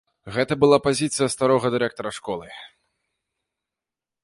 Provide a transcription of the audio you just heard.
Гэта была пазіцыя старога дырэктара школы.